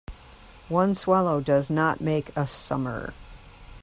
One swallow does not make a summer.